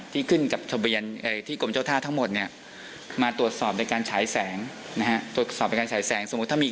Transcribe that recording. ที่ขึ้นกับทะเบียนที่กรมเจ้าท่าทั้งหมด